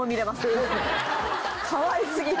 かわい過ぎ。